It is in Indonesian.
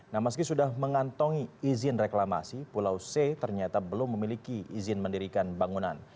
nah meski sudah mengantongi izin reklamasi pulau c ternyata belum memiliki izin mendirikan bangunan